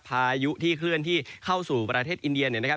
พายุที่เคลื่อนที่เข้าสู่ประเทศอินเดียเนี่ยนะครับ